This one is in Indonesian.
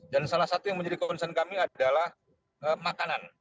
salah satu yang menjadi concern kami adalah makanan